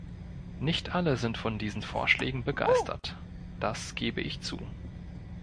Nicht alle sind von diesen Vorschlägen begeistert, das gebe ich zu.